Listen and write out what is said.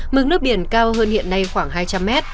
mực nước biển cao hơn hiện nay khoảng hai trăm linh mét